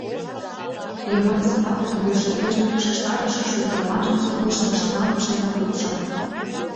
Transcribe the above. Йомакысе патырын вуйшергежым ушештарыше шулдырлажым солышо машина лупшенак лупша.